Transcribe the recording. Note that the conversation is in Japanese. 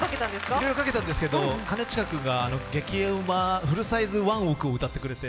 いろいろかけたんですが兼近君が激うま、フルサイズワンオクを歌ってくれて。